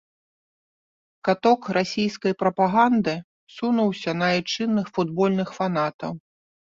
Каток расійскай прапаганды сунуўся на айчынных футбольных фанатаў.